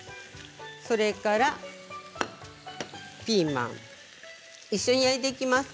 それからピーマン一緒に焼いていきます。